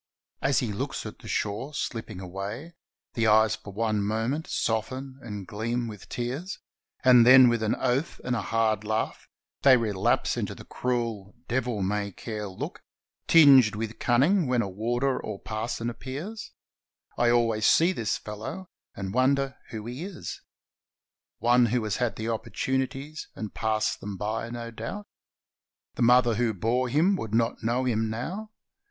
As he looks at the shore slipping away behind, the eyes for one moment soften and gleam with tears, and then with an oath and a hard laugh they relapse into the cruel, devil may care look, tinged with cunning when a warder or parson appears, I always see this fellow, and wonder who he is. One who has had opportunities and passed them by, no doubt. The mother who bore him would not know him now.